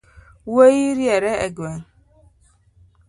Wuoi riere e gweng’